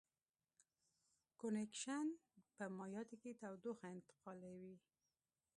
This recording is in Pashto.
کنویکشن په مایعاتو کې تودوخه انتقالوي.